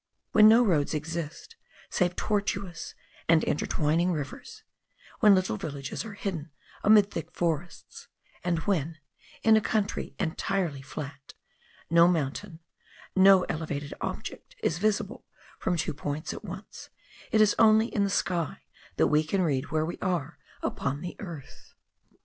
When no roads exist save tortuous and intertwining rivers, when little villages are hidden amid thick forests, and when, in a country entirely flat, no mountain, no elevated object is visible from two points at once, it is only in the sky that we can read where we are upon the earth.